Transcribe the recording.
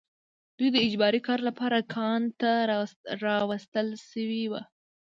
دوی د اجباري کار لپاره کان ته راوستل شوي وو